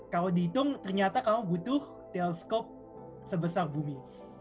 kalau dihitung ternyata kamu butuh teleskop sebesar bumi